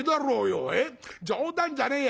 冗談じゃねえや。